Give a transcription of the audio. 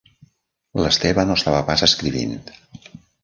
L'Esteve no estava pas escrivint.